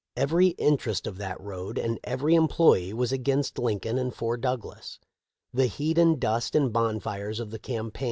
Every interest of that road and every employee was against Lincoln and for Douglas." The heat and dust and bonfires of the campaign • Henry C.